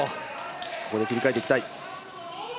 ここで切り替えていきたい。